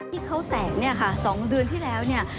ที่เขาแตก๒เดือนที่แล้ว